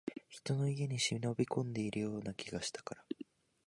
人の家に忍び込んでいるような気がしたから